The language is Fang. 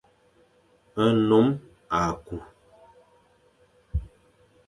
Nnôm à ku.